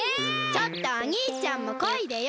ちょっとおにいちゃんもこいでよ！